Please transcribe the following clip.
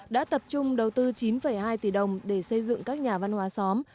đã tập trung đầu tư chín hai tỷ đồng để xây dựng các nhà văn hóa xóm